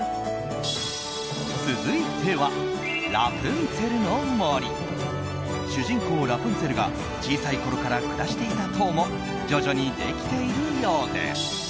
続いては「ラプンツェルの森」。主人公、ラプンツェルが小さいころから暮らしていた塔も徐々にできているようです。